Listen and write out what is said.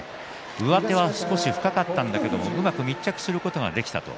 上手が少し深かったんだけれどもうまく密着することができた。